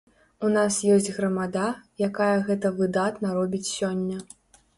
У нас ёсць грамада, якая гэта выдатна робіць сёння.